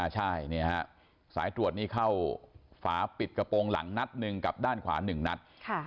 ใช่สายตรวจนี่เข้าฝาปิดกระโปรงหลังนัดหนึ่งกับด้านขวา๑นัด